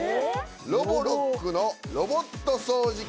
「ロボロック」のロボット掃除機。